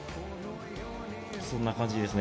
そんな感じですね。